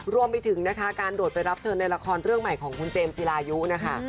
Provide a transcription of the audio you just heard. รวมไปถึงนะคะการโดดไปรับเชิญในละครเรื่องใหม่ของคุณเจมสลายุนะคะ